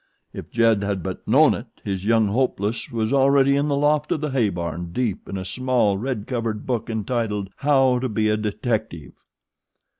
If Jeb had but known it his young hopeless was already in the loft of the hay barn deep in a small, red covered book entitled: "HOW TO BE A DETECTIVE."